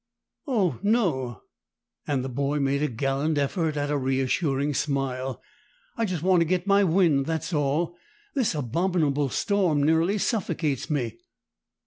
"Oh, no!" and the boy made a gallant effort at a reassuring smile. "I just want to get my wind; that's all. This abominable storm nearly suffocates me."